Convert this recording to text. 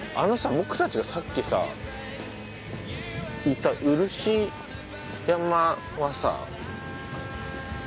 僕たちがさっきさいた漆山はさ。